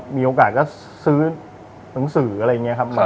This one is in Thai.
มีโอกาสก็ซื้อหนังสืออะไรอย่างนี้ครับ